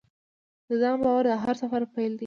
د ځان باور د هر سفر پیل دی.